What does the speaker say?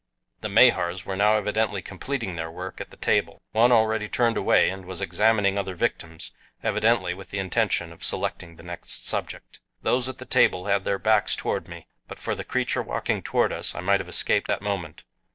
The Mahars were now evidently completing their work at the table. One already turned away and was examining other victims, evidently with the intention of selecting the next subject. Those at the table had their backs toward me. But for the creature walking toward us I might have escaped that moment.